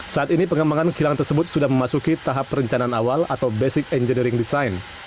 saat ini pengembangan kilang tersebut sudah memasuki tahap perencanaan awal atau basic engineering design